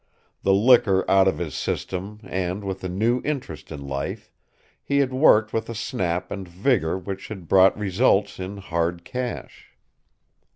The liquor out of his system and with a new interest in life, he had worked with a snap and vigor which had brought results in hard cash.